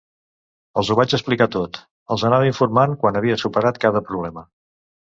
Els ho vaig explicar tot, els anava informant quan havia superat cada problema.